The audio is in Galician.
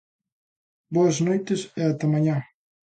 Boas noites e ata mañá.